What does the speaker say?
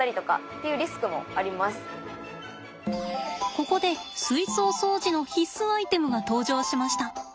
ここで水槽掃除の必須アイテムが登場しました。